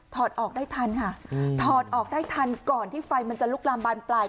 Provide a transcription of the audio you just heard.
ออกได้ทันค่ะถอดออกได้ทันก่อนที่ไฟมันจะลุกลามบานปลาย